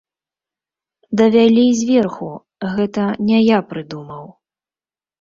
Давялі зверху, гэта не я прыдумаў.